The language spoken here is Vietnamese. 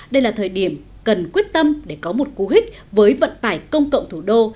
đây là thời điểm cần quyết tâm để có một cú hích với vận tải công cộng thủ đô